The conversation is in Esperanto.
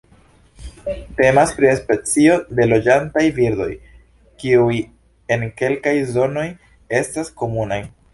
Temas pri specio de loĝantaj birdoj, kiuj en kelkaj zonoj estas komunaj.